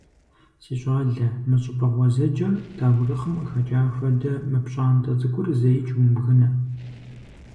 Си щӀалэ, мы щӀыпӀэ гъуэзэджэр, таурыхъым къыхэкӀам хуэдэ мы пщӀантӀэ цӀыкӀур зэикӀ умыбгынэ.